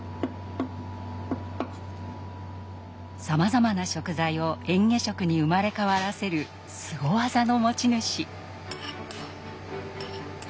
さまざまな食材をえん下食に生まれ変わらせるスゴ技の持ち主。